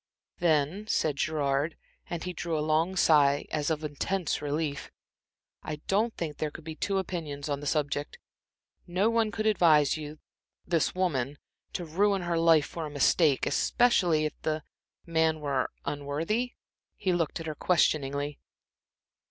"Then," said Gerard, and he drew a long sigh as of intense relief, "I don't think there could be two opinions on the subject. No one could advise you this woman to ruin her life for a mistake, especially if the the man were unworthy?" He looked at her questioningly.